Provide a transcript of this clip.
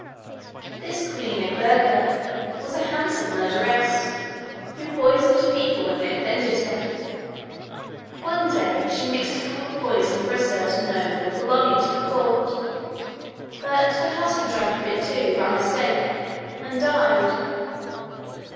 This Queen Edburga was a handsome murderess, who poisoned people when they offended her. One day, she mixed a cup of poison for a certain noble belonging to the court; but her husband drank of it too, by mistake, and died.